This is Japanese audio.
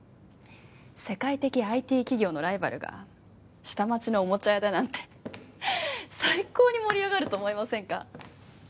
世界的ＩＴ企業のライバルが下町のおもちゃ屋だなんて最高に盛り上がると思いませんか？